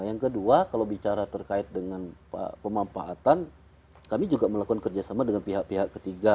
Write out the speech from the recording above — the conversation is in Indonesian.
yang kedua kalau bicara terkait dengan pemanfaatan kami juga melakukan kerjasama dengan pihak pihak ketiga